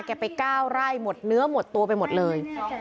ไป๙ไร่หมดเนื้อหมดตัวไปหมดเลย